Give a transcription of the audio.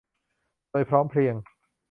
โดยพร้อมเพรียง